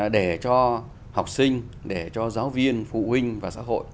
để cho học sinh để cho giáo viên phụ huynh và xã hội